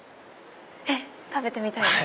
食べてみたいです！